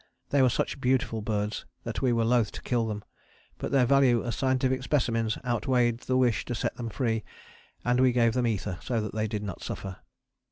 They were such beautiful birds that we were loath to kill them, but their value as scientific specimens outweighed the wish to set them free, and we gave them ether so that they did not suffer.